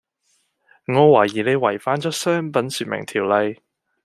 我懷疑你違反咗商品説明條例